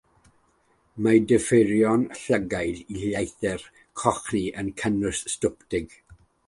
Mae diferion llygaid i leihau cochni yn cynnwys styptig.